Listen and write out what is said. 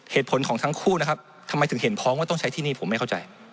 เหตุผลของทั้งคู่นะครับทำไมถึงเห็นพ้องว่าต้องใช้ที่นี่ผมไม่เข้าใจ